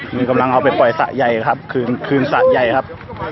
มีกำลังเอาไปปล่อยสระใหญ่ครับคืนคืนสระใหญ่ครับ